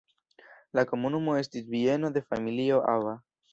La komunumo estis bieno de familio Aba.